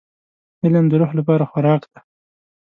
• علم د روح لپاره خوراک دی.